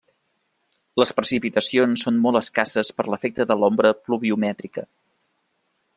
Les precipitacions són molt escasses per l'efecte de l'ombra pluviomètrica.